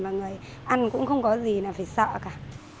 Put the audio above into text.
mà người ăn cũng không có gì là phải sợ cả